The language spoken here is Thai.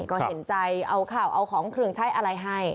ก็เห็นใจเอาข้าวเอาของเครื่องใช้อะไรให้